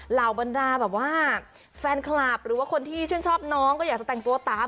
เหล่าบรรดาแบบว่าแฟนคลับหรือว่าคนที่ชื่นชอบน้องก็อยากจะแต่งตัวตาม